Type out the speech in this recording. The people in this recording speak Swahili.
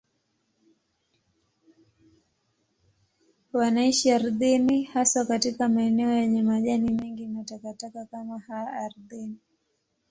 Wanaishi ardhini, haswa katika maeneo yenye majani mengi na takataka kama haya ardhini.